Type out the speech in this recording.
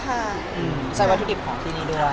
ใช้วัตถุดิบของที่นี่ด้วย